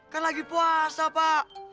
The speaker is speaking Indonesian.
kan lagi puasa pak